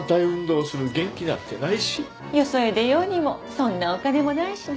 よそへ出ようにもそんなお金もないしね